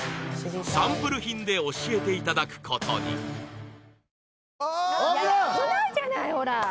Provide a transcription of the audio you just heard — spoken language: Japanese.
サンプル品で教えていただくことにああ！